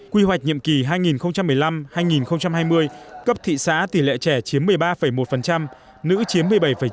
quy hoạch nhiệm kỳ hai nghìn một mươi năm hai nghìn hai mươi cấp thị xã tỷ lệ trẻ chiếm một mươi ba một nữ chiếm một mươi bảy chín